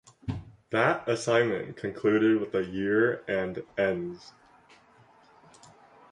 That assignment concluded with the year and Ens.